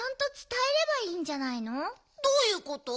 どういうこと？